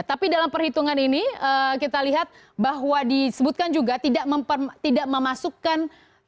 tapi dalam perhitungan ini kita lihat bahwa disebutkan juga tidak memasukkan